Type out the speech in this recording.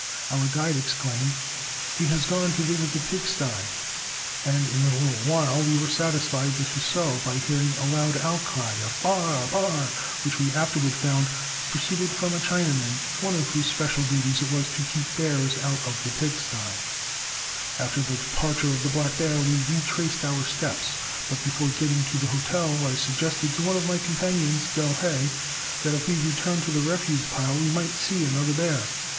Our guide exclaimed, "He has gone to visit the pig sty," and in a little while we were satisfied this was so by hearing a loud outcry of "b'ar, b'ar," which we afterward found proceeded from a Chinaman, one of whose special duties it was to keep bears out of the pig sty. [Illustration: ON THE SHORE OF YELLOWSTONE LAKE.] After the departure of the black bear we retraced our steps, but before getting to the hotel I suggested to one of my companions, Del. Hay, that if we returned to the refuse pile we might see another bear.